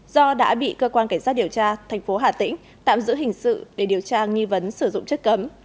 do đã bị cơ quan cảnh sát điều tra thành phố hà tĩnh tạm giữ hình sự để điều tra nghi vấn sử dụng chất cấm